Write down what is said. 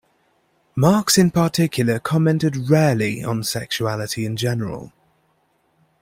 Marx in particular commented rarely on sexuality in general.